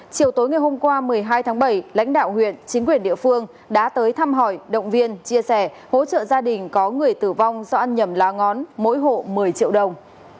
chiều tối ngày hôm qua một mươi hai tháng bảy lãnh đạo huyện chính quyền địa phương đã tới thăm hỏi động viên chia sẻ hỗ trợ gia đình có người tử vong do ăn nhầm lá ngón mỗi hộ một mươi triệu đồng